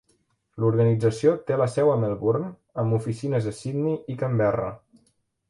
L'organització té la seu a Melbourne amb oficines a Sydney i Canberra.